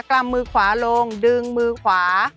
กำมือขวาลงดึงมือขวา